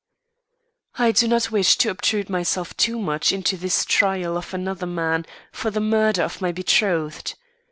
I do not wish to obtrude myself too much into this trial of another man for the murder of my betrothed.